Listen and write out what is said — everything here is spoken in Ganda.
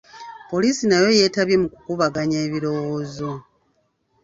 Poliisi nayo yeetabye mu kukubaganya ebirowoozo.